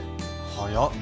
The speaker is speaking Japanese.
早っ。